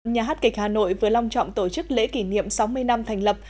nhà hát kịch hà nội vừa long trọng tổ chức lễ kỷ niệm sáu mươi năm thành lập